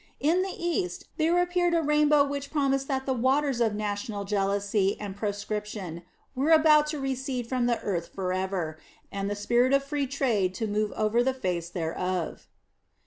In the East, there appeared a rainbow which promised that the waters of national jealousy and proscription were about to recede from the earth for ever, and the spirit of free trade to move over the face thereof.